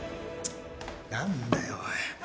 何だよおい。